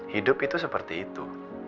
hidup itu seperti itu